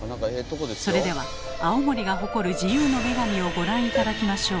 それでは青森が誇る自由の女神をご覧頂きましょう。